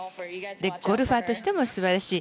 ゴルファーとしても素晴らしい。